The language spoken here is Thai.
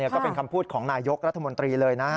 ก็เป็นคำพูดของนายยกรัฐมนตรีเลยนะฮะ